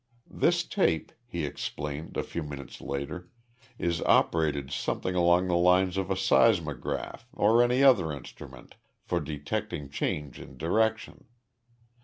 "This tape," he explained, a few minutes later, "is operated something along the lines of a seismograph or any other instrument for detecting change in direction.